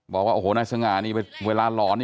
บอกว่าโอ้โหนายสง่านี่เวลาหลอนนี่